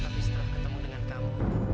tapi setelah ketemu dengan kamu